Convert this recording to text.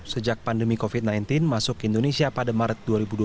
sejak pandemi covid sembilan belas masuk ke indonesia pada maret dua ribu dua puluh